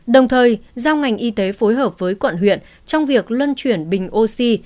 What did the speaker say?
đồng thời giao ngành y tế phối hợp với quận huyện trong việc luân chuyển bình oxy